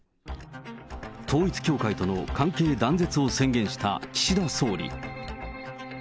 統一教会との関係断絶を宣言した岸田総理。